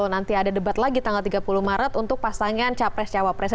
nanti ada debat lagi tanggal tiga puluh maret untuk pasangan capres cawapresnya